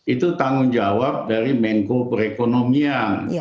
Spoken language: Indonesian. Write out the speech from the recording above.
itu tanggung jawab dari menko perekonomian